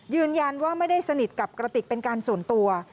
ยืนยันว่าไม่ได้สนิทกับกระติกเป็นการส่วนตัว